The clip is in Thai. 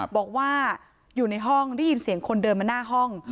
บอกว่าอยู่ในห้องได้ยินเสียงคนเดินมาหน้าห้อง